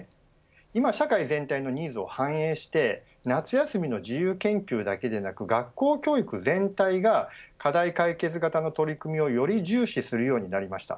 今、社会全体のニーズを反映して夏休みの自由研究だけでなく学校教育全体が課題解決型の取り組みをより重視するようになりました。